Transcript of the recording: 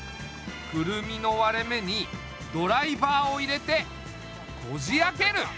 クルミの割れ目にドライバーを入れてこじ開ける。